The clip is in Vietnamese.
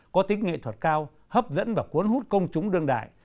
có tính nghệ thuật cao hấp dẫn và cuốn hút công chúng đương đại